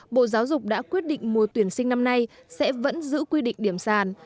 bộ giáo dục đã quyết định mùa tuyển sinh năm nay sẽ vẫn giữ quy định điểm sàn